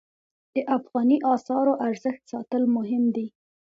د افغانۍ اسعارو ارزښت ساتل مهم دي